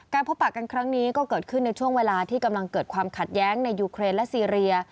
พบปากกันครั้งนี้ก็เกิดขึ้นในช่วงเวลาที่กำลังเกิดความขัดแย้งในยูเครนและซีเรีย